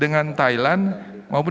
dengan thailand maupun